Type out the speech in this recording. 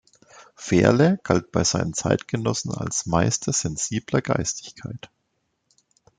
Fehrle galt bei seinen Zeitgenossen als "„Meister sensibler Geistigkeit“".